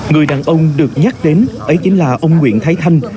người đàn ông được nhắc đến ấy chính là ông nguyễn thái thanh